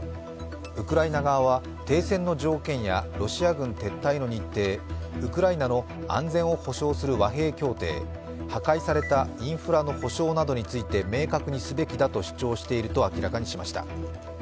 ウクライナ側は停戦の条件やロシア軍撤退の日程、ウクライナの安全を保障する和平協定、破壊されたインフラの保障などついて明確にすべきだと主張していると明らかにしました。